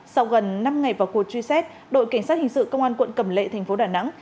sau gần năm ngày vào cuộc truy xét đội cảnh sát hình sự công an quận cầm lệ thành phố đà nẵng